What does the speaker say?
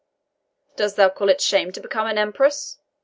"Dost thou call it shame to become an empress?"